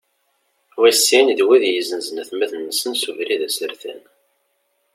Wis sin, d wid izenzen atmaten-nsen s ubrid asertan.